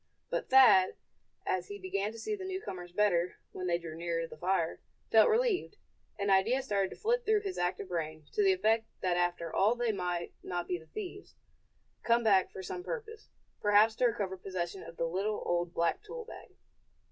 But Thad, as he began to see the newcomers better, when they drew nearer the fire, felt relieved. An idea started to flit through his active brain, to the effect that after all they might not be the thieves, come back for some purpose, perhaps to recover possession of the little, old, black tool bag.